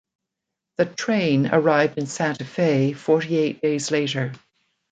The 'train' arrived in Santa Fe forty-eight days later.